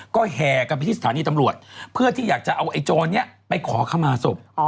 ก็แห่กันไปที่สถานีตำรวจเพื่อที่อยากจะเอาไอ้โจรนี้ไปขอขมาศพ